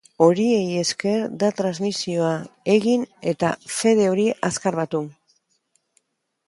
Horiei esker da transmizioa egin eta fede hori azkar batu.